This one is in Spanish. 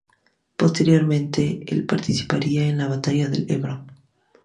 Posteriormente participaría en la batalla del Ebro.